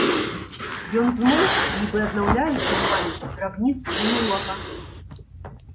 Ён змоўк, нібы аднаўляючы ў памяці драбніцы мінулага.